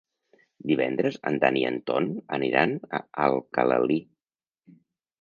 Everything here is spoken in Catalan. Divendres en Dan i en Ton aniran a Alcalalí.